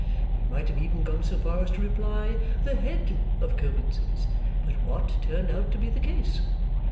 he might have even gone so far as to reply, "The head of Coavinses!" But what turned out to be the case?